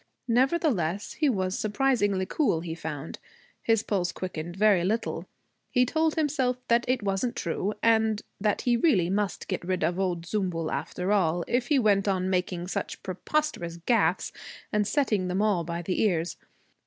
Nevertheless, he was surprisingly cool, he found. His pulse quickened very little. He told himself that it wasn't true and that he really must get rid of old Zümbül after all, if he went on making such preposterous gaffes and setting them all by the ears.